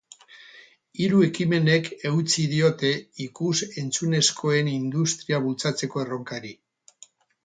Hiru ekimenek eutsi diote ikus-entzunezkoen industria bultzatzeko erronkari.